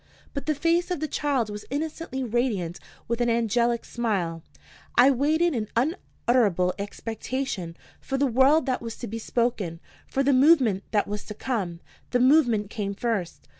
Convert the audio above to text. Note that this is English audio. But the face of the child was innocently radiant with an angelic smile. I waited in unutterable expectation for the word that was to be spoken, for the movement that was to come. The movement came first.